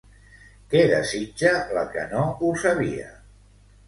Què desitja, la que no ho sabia?